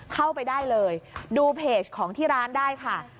เข้าไปได้เลยดูเพจของที่ร้านได้ค่ะ